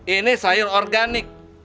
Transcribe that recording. ini sayur organik